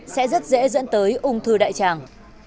sẽ rất dễ dẫn tới ung thư đại tràng